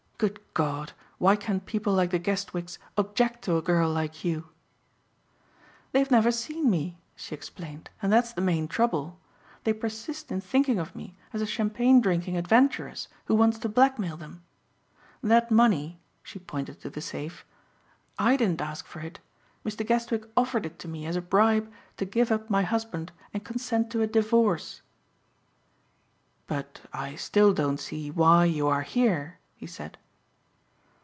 Good God! why can people like the Guestwicks object to a girl like you?" "They've never seen me," she explained, "and that's the main trouble. They persist in thinking of me as a champagne drinking adventuress who wants to blackmail them. That money" she pointed to the safe, "I didn't ask for it. Mr. Guestwick offered it to me as a bribe to give up my husband and consent to a divorce." "But I still don't see why you are here," he said.